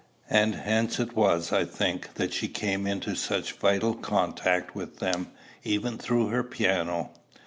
And hence it was, I think, that she came into such vital contact with them, even through her piano.